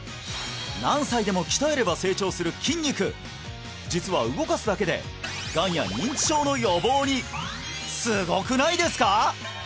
何歳でも鍛えれば成長する筋肉実は動かすだけでがんや認知症の予防にすごくないですか！？